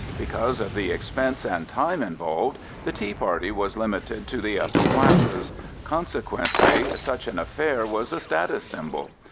Because of the expense and time involved, the tea party was limited to the upper classes; consequently, such an affair was a status symbol.